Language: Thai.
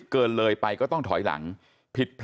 ลาออกจากหัวหน้าพรรคเพื่อไทยอย่างเดียวเนี่ย